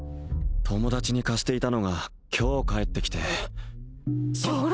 友達に貸していたのが今日返ってきてはっ！